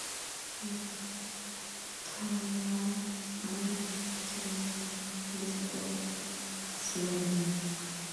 The townland stands to the east of Athlone.